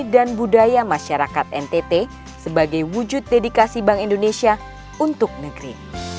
dan budaya masyarakat ntt sebagai wujud dedikasi bank indonesia untuk negeri